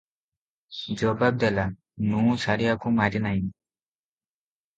ଜବାବ ଦେଲା- "ନୁଁ ସାରିଆକୁ ମାରିନାହିଁ ।